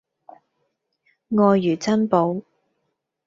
愛如珍寶